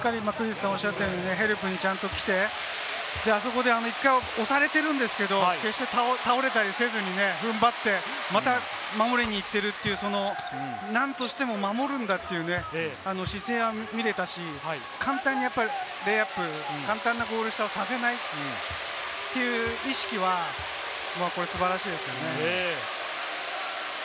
しっかりヘルプに来て、あそこで１回押されてるんですけれども、決して倒れたりせずに踏ん張って、また守りに行っているという何としても守るんだという姿勢は見れたし、簡単にレイアップ、簡単なゴール下をさせないという意識は素晴らしいですね。